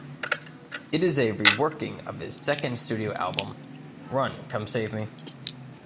It is a re-working of his second studio album, "Run Come Save Me".